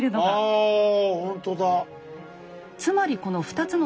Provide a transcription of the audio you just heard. あほんとだ。